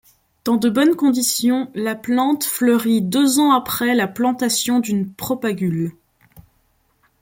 Dans de bonnes conditions, la plante fleurit deux ans après la plantation d'une propagule.